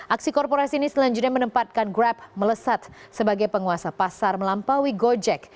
aksi korporasi ini selanjutnya menempatkan grab melesat sebagai penguasa pasar melampaui gojek